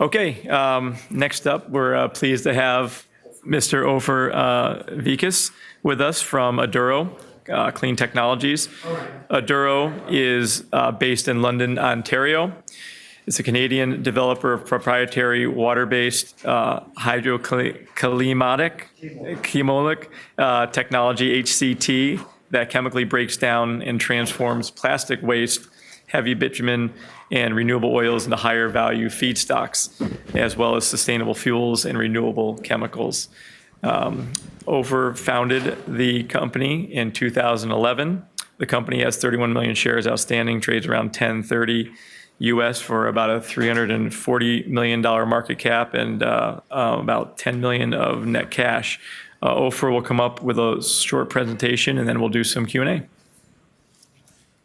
Okay. Next up, we're pleased to have Mr. Ofer Vicus with us from Aduro Clean Technologies. Aduro is based in London, Ontario. It's a Canadian developer of proprietary water-based Hydrochemolytic- Hydrochemolytic technology, HCT, that chemically breaks down and transforms plastic waste, heavy bitumen, and renewable oils into higher value feedstocks, as well as sustainable fuels and renewable chemicals. Ofer founded the company in 2011. The company has 31 million shares outstanding, trades around $10.30 million for about a $340 million market cap and about $10 million of net cash. Ofer will come up with a short presentation and then we'll do some Q&A.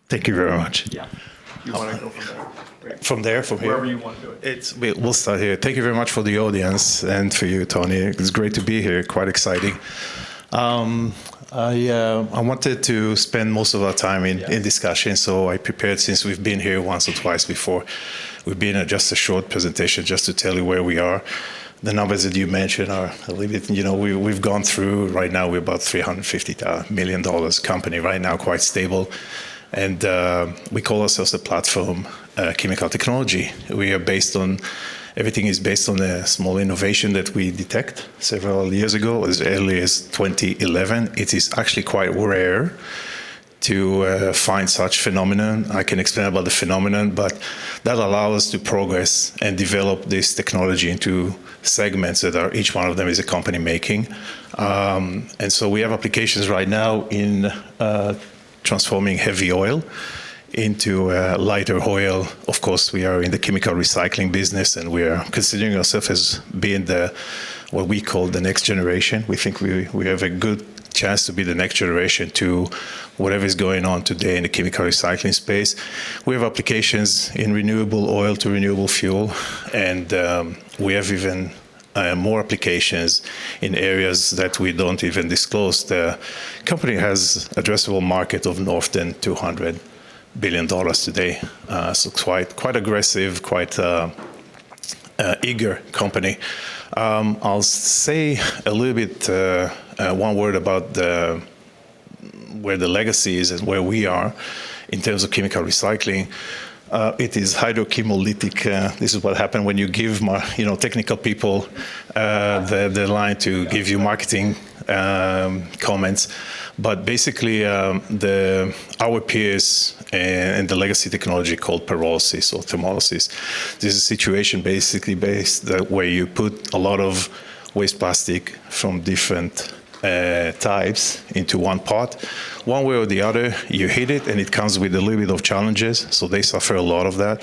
Thank you very much. Yeah. You want to go from there? From there? From here? Wherever you want to do it. We'll start here. Thank you very much for the audience and to you, Tony. It's great to be here. Quite exciting. I wanted to spend most of our time in discussion, so I prepared, since we've been here once or twice before, we'd be just a short presentation just to tell you where we are. The numbers that you mentioned. We've gone through. Right now, we're about a $350 million company. Right now, quite stable. We call ourselves a platform chemical technology. Everything is based on the small innovation that we detect several years ago, as early as 2011. It is actually quite rare to find such phenomenon. I can explain about the phenomenon, but that allow us to progress and develop this technology into segments that each one of them is a company making. We have applications right now in transforming heavy oil into lighter oil. Of course, we are in the chemical recycling business, and we are considering ourself as being the, what we call the next generation. We think we have a good chance to be the next generation to whatever is going on today in the chemical recycling space. We have applications in renewable oil to renewable fuel, and we have even more applications in areas that we don't even disclose. The company has addressable market of more than $200 billion today. Quite aggressive, quite eager company. I'll say a little bit, one word about where the legacy is and where we are in terms of chemical recycling. It is Hydrochemolytic. This is what happen when you give technical people the line to give you marketing comments. Basically, our peers in the legacy technology called pyrolysis or thermolysis. This is a situation basically based where you put a lot of waste plastic from different types into one pot. One way or the other, you heat it, and it comes with a little bit of challenges, so they suffer a lot of that.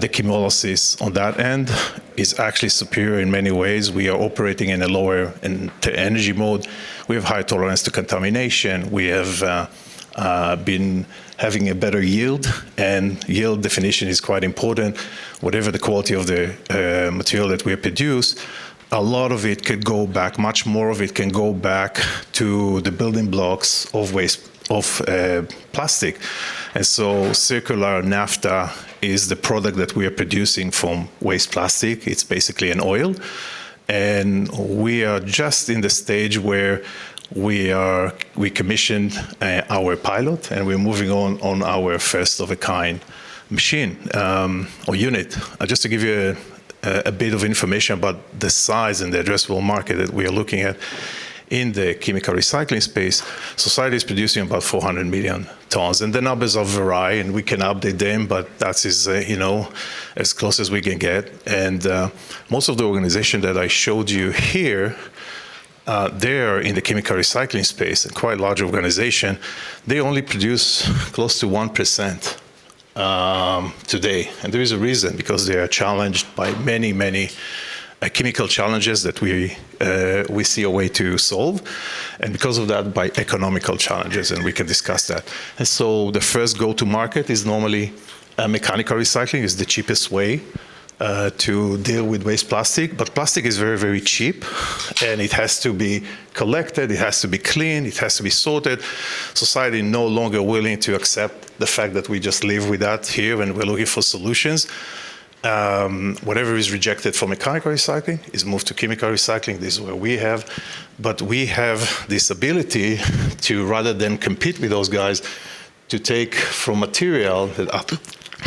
The chemolysis on that end is actually superior in many ways. We are operating in a lower energy mode. We have high tolerance to contamination. We have been having a better yield, and yield definition is quite important. Whatever the quality of the material that we produce, a lot of it could go back, much more of it can go back to the building blocks of plastic. Circular naphtha is the product that we are producing from waste plastic. It's basically an oil. We are just in the stage where we commissioned our pilot, and we're moving on our first-of-a-kind machine or unit. Just to give you a bit of information about the size and the addressable market that we are looking at in the chemical recycling space. Society is producing about 400 million tons, and the numbers vary, and we can update them, but that is as close as we can get. Most of the organization that I showed you here, there in the chemical recycling space, a quite large organization, they only produce close to 1% today. There is a reason, because they are challenged by many chemical challenges that we see a way to solve. Because of that, by economic challenges, and we can discuss that. The first go to market is normally mechanical recycling is the cheapest way to deal with waste plastic. Plastic is very cheap, and it has to be collected, it has to be cleaned, it has to be sorted. Society is no longer willing to accept the fact that we just live with that here when we're looking for solutions. Whatever is rejected from mechanical recycling is moved to chemical recycling. This is where we have this ability to, rather than compete with those guys, to take from material that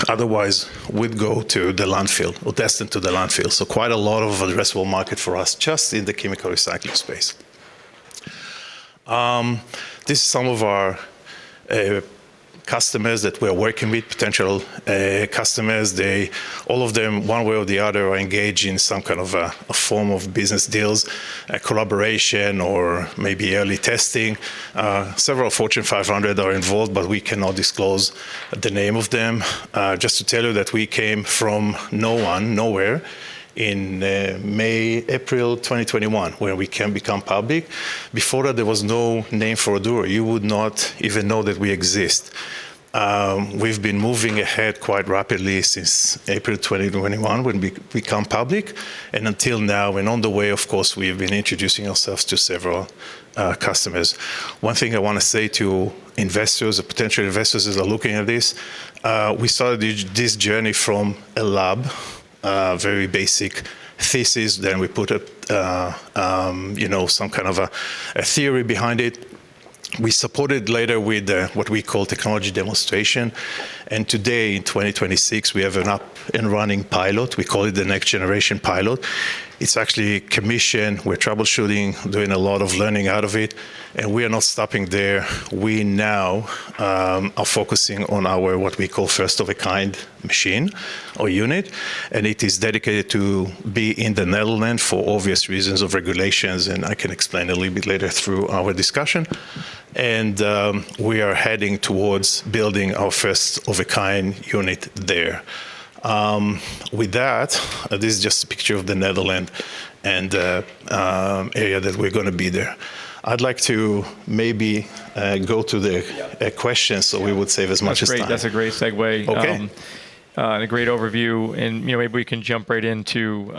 otherwise would go to the landfill or destined to the landfill. Quite a lot of addressable market for us just in the chemical recycling space. This is some of our customers that we're working with, potential customers. All of them, one way or the other, are engaged in some kind of a form of business deals, a collaboration or maybe early testing. Several Fortune 500 are involved, but we cannot disclose the name of them. Just to tell you that we came from no one, nowhere in May, April 2021, where we can become public. Before that, there was no name for Aduro. You would not even know that we exist. We've been moving ahead quite rapidly since April 2021 when we become public, and until now, and on the way, of course, we've been introducing ourselves to several customers. One thing I want to say to investors, or potential investors, who are looking at this, we started this journey from a lab, very basic thesis. Then we put some kind of a theory behind it. We support it later with what we call technology demonstration. Today, in 2026, we have an up and running pilot. We call it the next generation pilot. It's actually commissioned. We're troubleshooting, doing a lot of learning out of it. We are not stopping there. We now are focusing on our, what we call first of a kind machine or unit, and it is dedicated to be in the Netherlands for obvious reasons of regulations, and I can explain a little bit later through our discussion. We are heading towards building our first of a kind unit there. With that, this is just a picture of the Netherlands and the area that we're going to be there. I'd like to maybe go to the questions so we would save as much time. That's a great segue. Okay. A great overview. Maybe we can jump right into,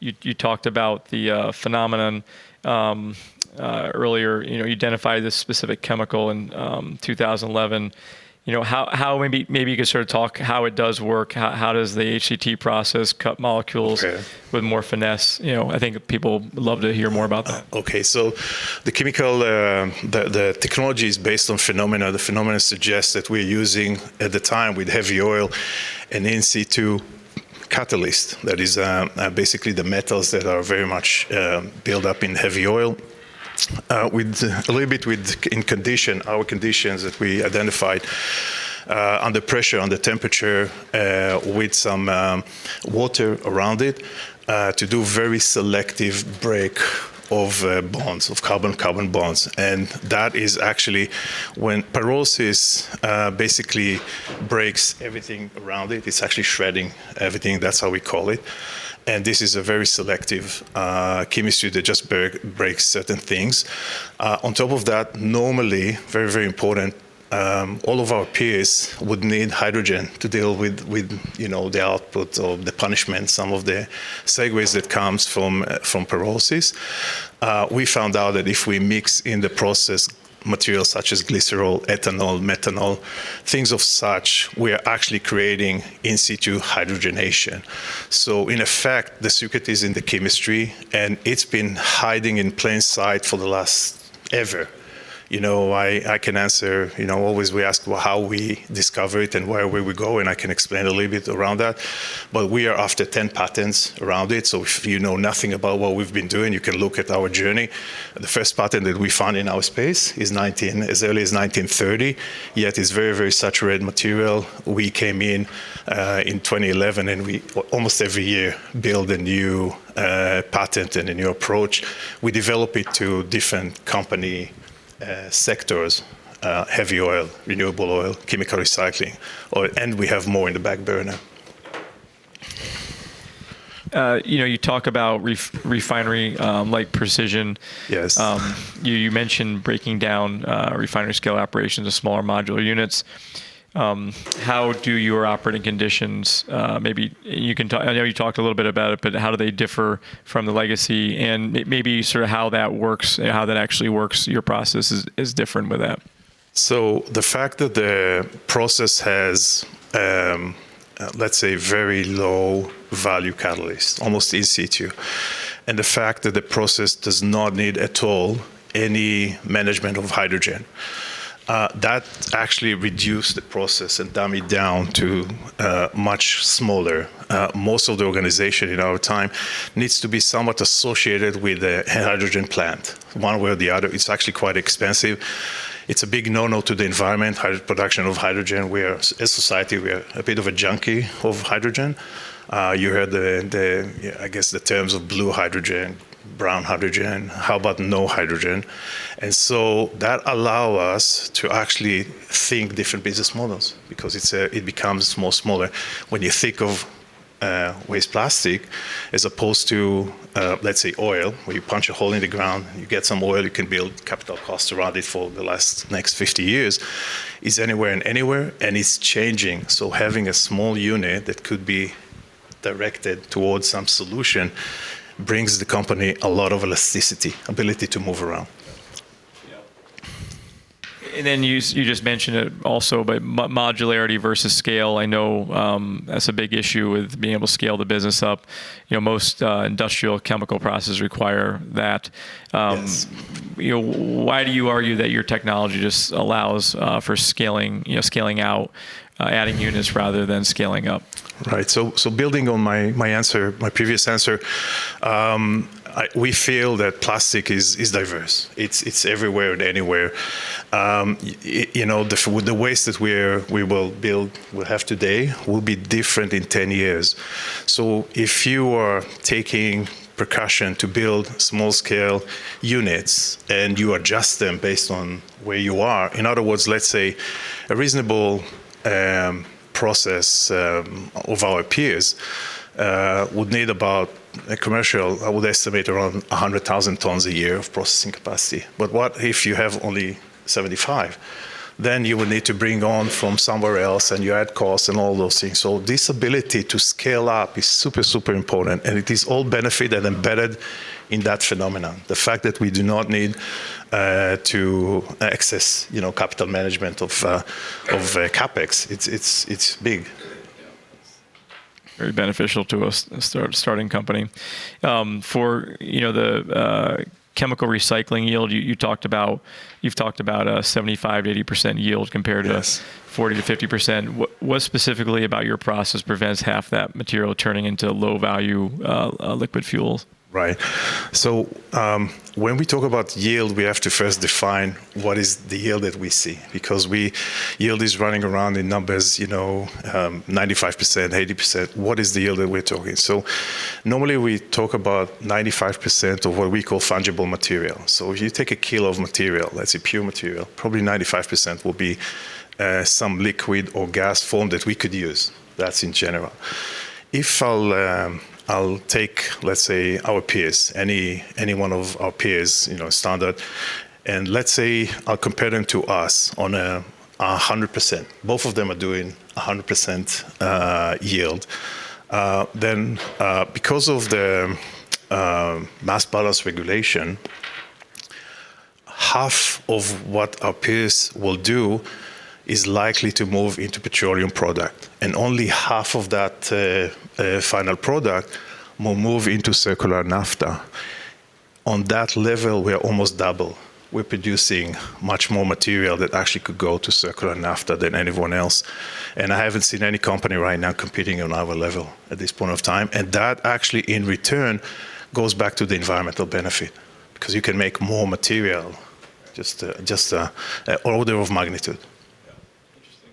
you talked about the phenomenon earlier. You identified this specific chemical in 2011. Maybe you could sort of talk how it does work. How does the HCT process cut molecules- Okay. With more finesse? I think people would love to hear more about that. Okay. The technology is based on phenomena. The phenomena suggests that we're using, at the time, with heavy oil, an in situ catalyst, that is basically the metals that are very much built up in heavy oil, a little bit in our conditions that we identified, under pressure, under temperature, with some water around it, to do very selective break of carbon-carbon bonds. That is actually when pyrolysis basically breaks everything around it's actually shredding everything. That's how we call it. This is a very selective chemistry that just breaks certain things. On top of that, normally, very important, all of our peers would need hydrogen to deal with the output of the pyrolysis, some of the species that comes from pyrolysis. We found out that if we mix in the process materials such as glycerol, ethanol, methanol, things of such, we are actually creating in situ hydrogenation. In effect, the secret is in the chemistry, and it's been hiding in plain sight for the last ever. I can answer, always we ask how we discover it and where we would go, and I can explain a little bit around that, but we are after 10 patents around it. If you know nothing about what we've been doing, you can look at our journey. The first patent that we found in our space is as early as 1930, yet it's a very saturated market. We came in 2011, and we almost every year build a new patent and a new approach. We develop it to different company sectors, heavy oil, renewable oil, chemical recycling, and we have more in the back burner. You talk about refinery-like precision. Yes. You mentioned breaking down refinery scale operations to smaller modular units. How do your operating conditions, I know you talked a little bit about it, but how do they differ from the legacy, and maybe how that actually works, your process is different with that? The fact that the process has, let's say, very low value catalyst, almost in situ. The fact that the process does not need at all any management of hydrogen. That actually reduced the process and dumb it down to much smaller. Most of the organization in our time needs to be somewhat associated with a hydrogen plant. One way or the other, it's actually quite expensive. It's a big no no to the environment, production of hydrogen. As society, we are a bit of a junkie of hydrogen. You heard, I guess, the terms of Blue hydrogen, Brown hydrogen. How about no hydrogen? That allow us to actually think different business models because it becomes more smaller. When you think of waste plastic as opposed to, let's say, oil. When you punch a hole in the ground and you get some oil, you can build capital cost around it for the next 50 years, and it's changing. Having a small unit that could be directed towards some solution brings the company a lot of elasticity, ability to move around. Yeah. You just mentioned it also, but modularity versus scale, I know that's a big issue with being able to scale the business up. Most industrial chemical processes require that. Yes. Why do you argue that your technology just allows for scaling out, adding units rather than scaling up? Right. Building on my previous answer, we feel that plastic is diverse. It's everywhere and anywhere. The waste that we will have today will be different in 10 years. If you are taking precautions to build small-scale units and you adjust them based on where you are, in other words, let's say a reasonable process of our peers would need about a commercial, I would estimate around 100,000 tons a year of processing capacity. But what if you have only 75? You will need to bring on from somewhere else, and you add costs and all those things. This ability to scale up is super important, and it is all benefit and embedded in that phenomenon. The fact that we do not need to access capital management of CapEx, it's big. Yeah. It's very beneficial to a starting company. For the chemical recycling yield, you've talked about a 75%-80% yield compared to- Yes. 40%-50%. What specifically about your process prevents half that material turning into low-value liquid fuels? Right. When we talk about yield, we have to first define what is the yield that we see. Because yield is running around in numbers, 95%, 80%. What is the yield that we're talking? Normally we talk about 95% of what we call fungible material. If you take a kilo of material, let's say pure material, probably 95% will be some liquid or gas form that we could use. That's in general. If I'll take, let's say, our peers, any one of our peers, standard, and let's say I'll compare them to us on 100%. Both of them are doing 100% yield. Because of the mass balance regulation, half of what our peers will do is likely to move into petroleum product, and only half of that final product will move into circular naphtha. On that level, we are almost double. We're producing much more material that actually could go to circular naphtha than anyone else. I haven't seen any company right now competing on our level at this point of time. That actually in return, goes back to the environmental benefit because you can make more material just the order of magnitude. Yeah. Interesting.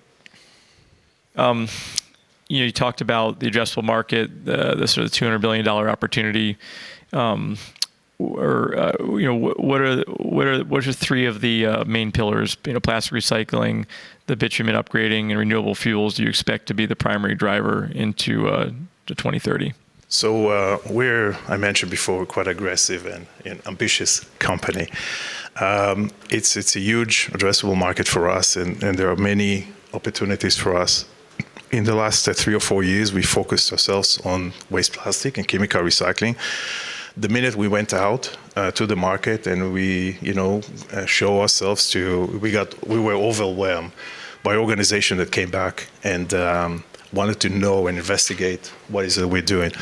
You talked about the addressable market, the sort of $200 billion opportunity. What are the three of the main pillars, plastic recycling, the bitumen upgrading, and renewable fuels, do you expect to be the primary driver into 2030? We're, I mentioned before, quite aggressive and ambitious company. It's a huge addressable market for us, and there are many opportunities for us. In the last three or four years, we focused ourselves on waste plastic and chemical recycling. The minute we went out to the market and showed ourselves, we were overwhelmed by organizations that came back and wanted to know and investigate what it is we're doing.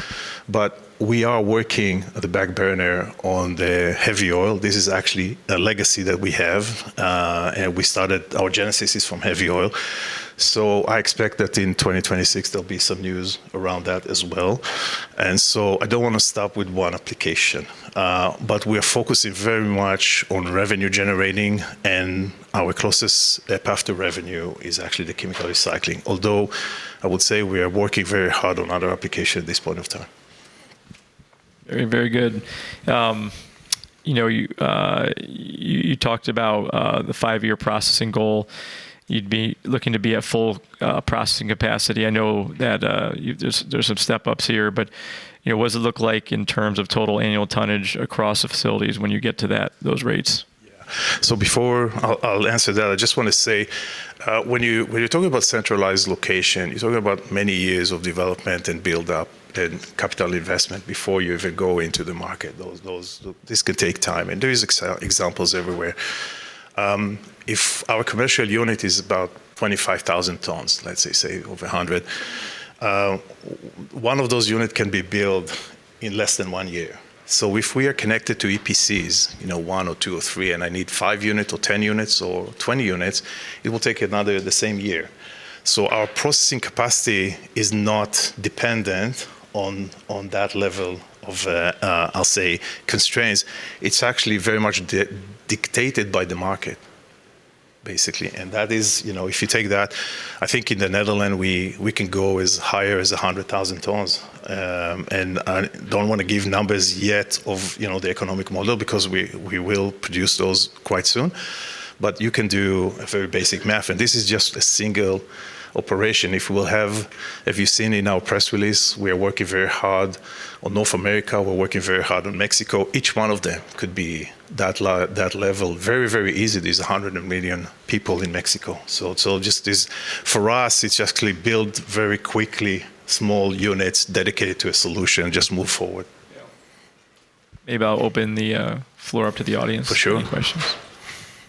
We are working on the back burner on the heavy oil. This is actually a legacy that we have. Our genesis is from heavy oil. I expect that in 2026 there'll be some news around that as well. I don't want to stop with one application. We are focusing very much on revenue generating, and our closest path to revenue is actually the chemical recycling. Although, I would say we are working very hard on other application at this point of time. Very good. You talked about the five-year processing goal. You'd be looking to be at full processing capacity. I know that there's some step-ups here. But what does it look like in terms of total annual tonnage across the facilities when you get to those rates? Yeah. Before I'll answer that, I just want to say, when you're talking about centralized location, you're talking about many years of development and build-up and capital investment before you even go into the market. This could take time, and there is examples everywhere. If our commercial unit is about 25,000 tons, let's say, over 100 tons, one of those unit can be built in less than one year. If we are connected to EPCs, one or two or three, and I need five unit or 10 units or 20 units, it will take another the same year. Our processing capacity is not dependent on that level of, I'll say, constraints. It's actually very much dictated by the market, basically. If you take that, I think in the Netherlands, we can go as high as 100,000 tons. I don't want to give numbers yet of the economic model because we will produce those quite soon. You can do a very basic math, and this is just a single operation. If you've seen in our press release, we are working very hard on North America, we're working very hard on Mexico. Each one of them could be that level very, very easy. There's 100 million people in Mexico. For us, it's actually to build very quickly small units dedicated to a solution and just move forward. Yeah. Maybe I'll open the floor up to the audience. For sure. For any questions.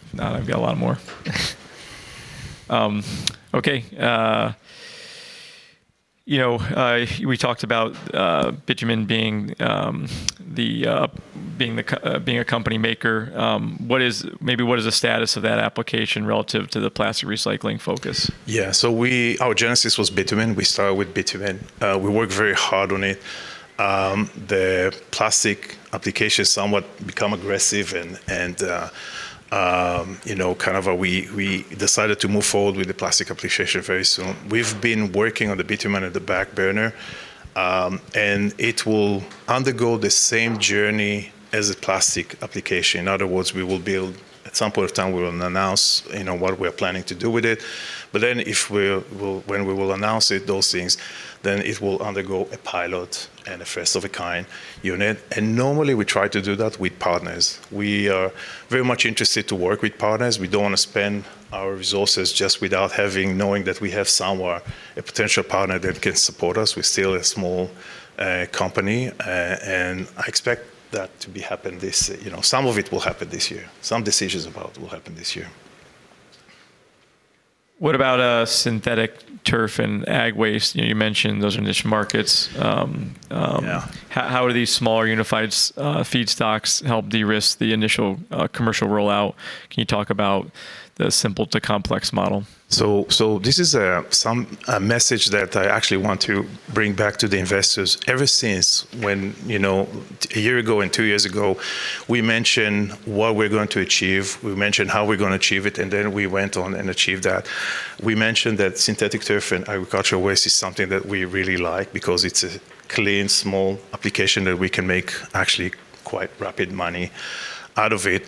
If not, I've got a lot more. Okay. We talked about bitumen being a company maker. Maybe what is the status of that application relative to the plastic recycling focus? Yeah. Our genesis was bitumen. We started with bitumen. We worked very hard on it. The plastic application somewhat became aggressive, and kind of, we decided to move forward with the plastic application very soon. We've been working on the bitumen on the back burner. It will undergo the same journey as a plastic application. In other words, at some point in time, we will announce what we're planning to do with it. Then when we will announce those things, it will undergo a pilot and a first-of-a-kind unit. Normally we try to do that with partners. We are very much interested to work with partners. We don't want to spend our resources just without knowing that we have somewhere a potential partner that can support us. We're still a small company, and I expect that to happen. Some of it will happen this year. Some decisions about it will happen this year. What about synthetic turf and ag waste? You mentioned those are niche markets. Yeah. How do these smaller unified feedstocks help de-risk the initial commercial rollout? Can you talk about the simple-to-complex model? This is a message that I actually want to bring back to the investors. Ever since when, a year ago and two years ago, we mentioned what we're going to achieve, we mentioned how we're going to achieve it, and then we went on and achieved that. We mentioned that synthetic turf and agricultural waste is something that we really like because it's a clean, small application that we can make actually quite rapid money out of it.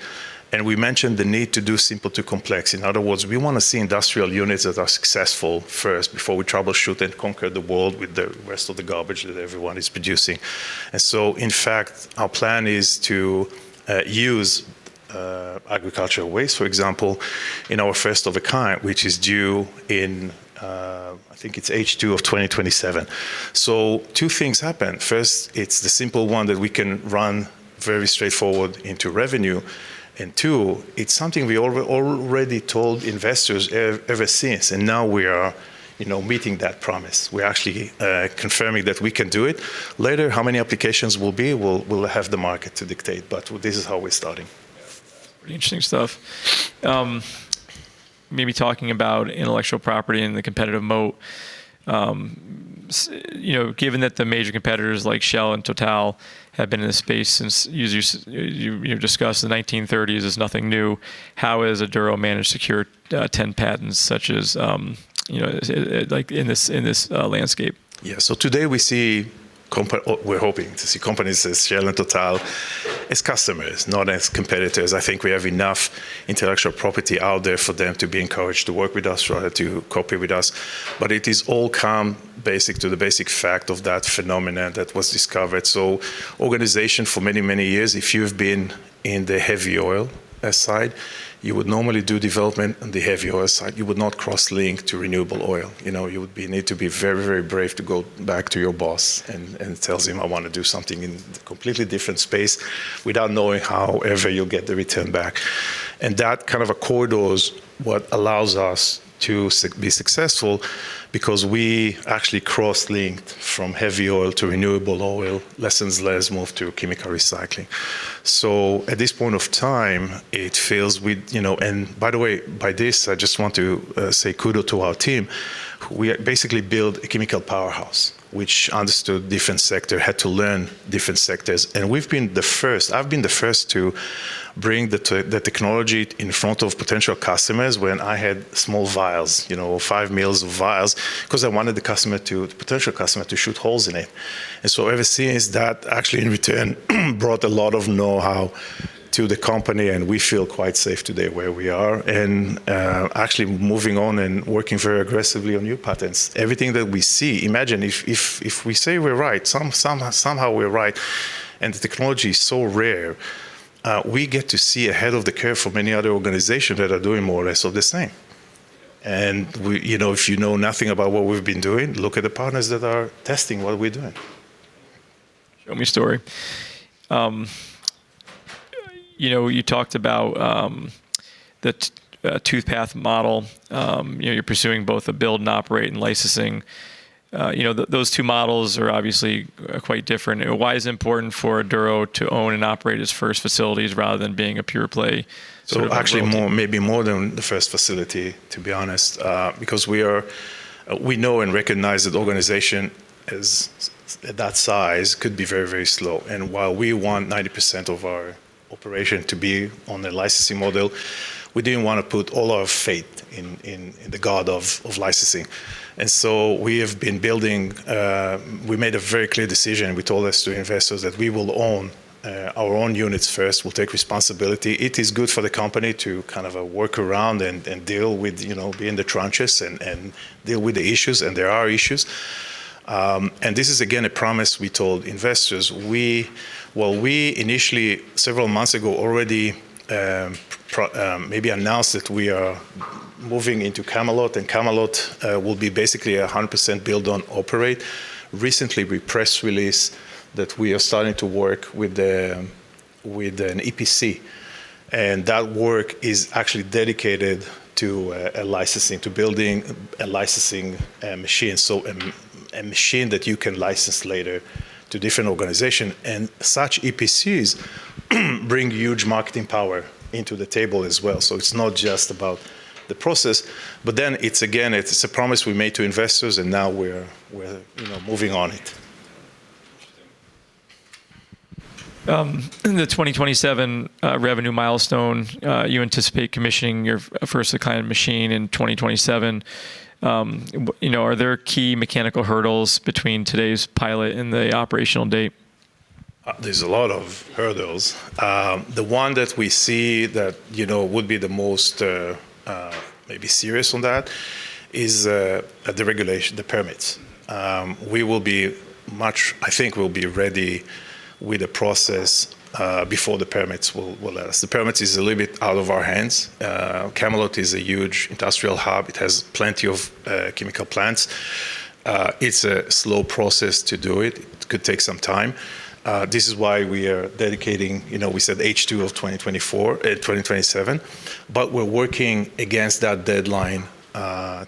We mentioned the need to do simple to complex. In other words, we want to see industrial units that are successful first before we troubleshoot and conquer the world with the rest of the garbage that everyone is producing. In fact, our plan is to use agricultural waste, for example, in our first-of-a-kind, which is due in, I think it's H2 2027. Two things happen. First, it's the simple one that we can run very straightforward into revenue. Two, it's something we already told investors ever since. Now we are meeting that promise. We're actually confirming that we can do it. Later, how many applications will be, we'll have the market to dictate, but this is how we're starting. Pretty interesting stuff. Maybe talking about intellectual property and the competitive moat, given that the major competitors like Shell and Total have been in this space since you discussed the 1930s, it's nothing new. How has Aduro managed to secure 10 patents in this landscape? Yeah. Today we're hoping to see companies such as Shell and Total as customers, not as competitors. I think we have enough intellectual property out there for them to be encouraged to work with us rather than copy us. It all comes down to the basic fact of that phenomenon that was discovered. Organizations for many, many years, if you've been in the heavy oil side, you would normally do development on the heavy oil side. You would not cross link to renewable oil. You would need to be very, very brave to go back to your boss and tell him, "I want to do something in a completely different space" without knowing how you'll get the return back. That kind of a corridor is what allows us to be successful because we actually cross-linked from heavy oil to renewable oil, lessons learned, move to chemical recycling. At this point of time, it feels. By the way, by this, I just want to say kudos to our team. We basically built a chemical powerhouse, which understood different sector, had to learn different sectors. We've been the first, I've been the first to bring the technology in front of potential customers when I had small vials, 5 mL of vials, because I wanted the potential customer to shoot holes in it. Ever since that actually in return brought a lot of know-how to the company, and we feel quite safe today where we are and actually moving on and working very aggressively on new patents. Everything that we see, imagine if we say we're right, somehow we're right, and the technology is so rare, we get to see ahead of the curve for many other organizations that are doing more or less all the same. If you know nothing about what we've been doing, look at the partners that are testing what we're doing. You talked about the two-path model. You're pursuing both a build and operate and licensing. Those two models are obviously quite different. Why is it important for Aduro to own and operate its first facilities rather than being a pure play? Actually maybe more than the first facility, to be honest, because we know and recognize that organization at that size could be very, very slow. While we want 90% of our operation to be on the licensing model, we didn't want to put all our faith in the god of licensing. We made a very clear decision. We told the investors that we will own our own units first. We'll take responsibility. It is good for the company to kind of work around and deal with, be in the trenches and deal with the issues, and there are issues. This is again, a promise we told investors. While we initially, several months ago, already maybe announced that we are moving into Chemelot, and Chemelot will be basically 100% build-own-operate. Recently, we press release that we are starting to work with an EPC, and that work is actually dedicated to building a licensing machine. A machine that you can license later to different organization and such EPCs bring huge marketing power to the table as well. It's not just about the process, but then it's again, it's a promise we made to investors and now we're moving on it. In the 2027 revenue milestone, you anticipate commissioning your first client machine in 2027. Are there key mechanical hurdles between today's pilot and the operational date? There's a lot of hurdles. The one that we see that would be the most maybe serious on that is the regulation, the permits. I think we'll be ready with the process before the permits will let us. The permits is a little bit out of our hands. Chemelot is a huge industrial hub. It has plenty of chemical plants. It's a slow process to do it. It could take some time. This is why we are dedicating. We said H2 of 2024-2027, but we're working against that deadline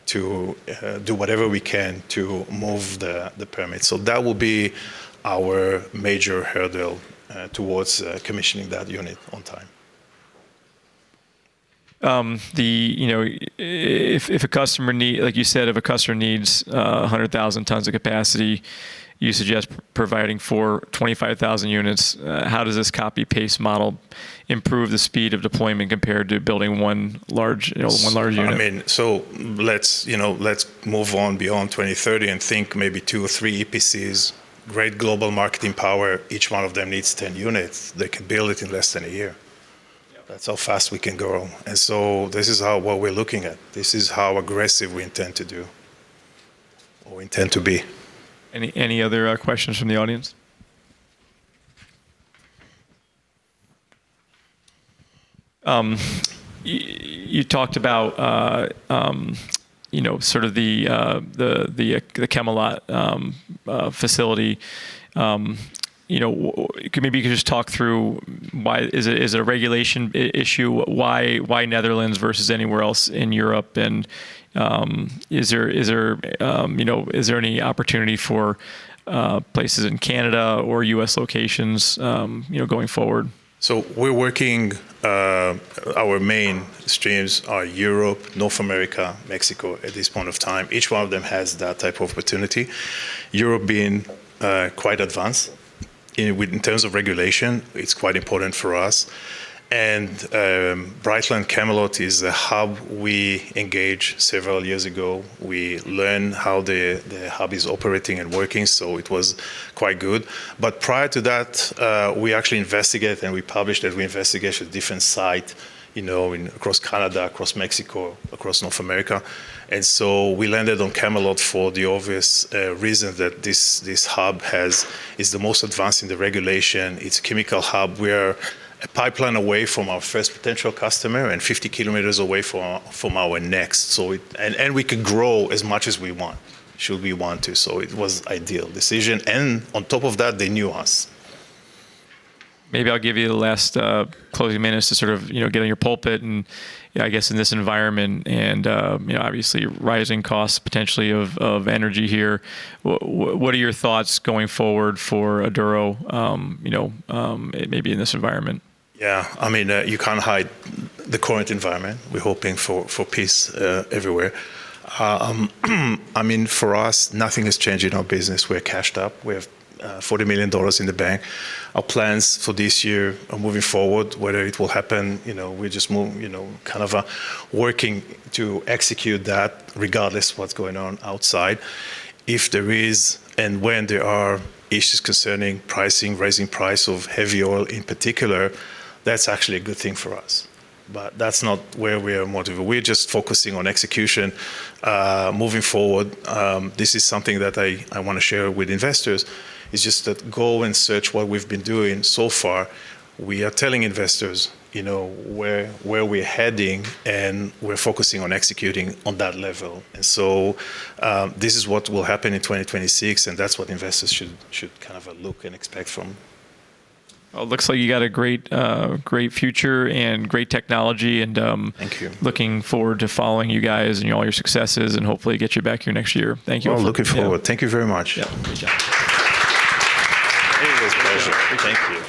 to do whatever we can to move the permit. That will be our major hurdle towards commissioning that unit on time. Like you said, if a customer needs 100,000 tons of capacity, you suggest providing for 25,000 units. How does this copy-paste model improve the speed of deployment compared to building one large unit? Let's move on beyond 2030 and think maybe two or three EPCs, great global marketing power. Each one of them needs 10 units. They can build it in less than a year. Yeah. That's how fast we can grow. This is what we're looking at. This is how aggressive we intend to do or intend to be. Any other questions from the audience? You talked about sort of the Chemelot facility. Maybe you could just talk through, is it a regulation issue? Why Netherlands versus anywhere else in Europe, and is there any opportunity for places in Canada or U.S. locations going forward? Our main streams are Europe, North America, Mexico at this point of time. Each one of them has that type of opportunity. Europe being quite advanced in terms of regulation, it's quite important for us. Brightlands Chemelot is a hub we engaged several years ago. We learn how the hub is operating and working, so it was quite good. Prior to that, we actually investigate and we publish that we investigate different site across Canada, across Mexico, across North America. We landed on Chemelot for the obvious reason that this hub is the most advanced in the regulation. It's chemical hub. We're a pipeline away from our first potential customer and 50 km away from our next. We can grow as much as we want, should we want to. It was ideal decision. On top of that, they knew us. Maybe I'll give you the last closing minutes to sort of getting your pulpit and I guess in this environment and obviously rising costs potentially of energy here, what are your thoughts going forward for Aduro maybe in this environment? Yeah. You can't hide the current environment. We're hoping for peace everywhere. For us, nothing is changing our business. We're cashed up. We have 40 million dollars in the bank. Our plans for this year are moving forward, whether it will happen, we're just kind of working to execute that regardless what's going on outside. If there is and when there are issues concerning pricing, raising price of heavy oil in particular, that's actually a good thing for us. But that's not where we are motivated. We're just focusing on execution moving forward. This is something that I want to share with investors, is just that go and search what we've been doing so far. We are telling investors where we're heading, and we're focusing on executing on that level. This is what will happen in 2026, and that's what investors should kind of look and expect from. Well, looks like you got a great future and great technology. Thank you. Looking forward to following you guys and all your successes and hopefully get you back here next year. Thank you. Oh, looking forward. Thank you very much. Yeah. Appreciate it. It was a pleasure. Thank you.